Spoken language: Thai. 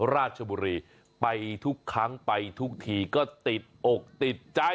ราชบุรีไปทุกครั้งไปทุกทีก็ติดอกติดใจ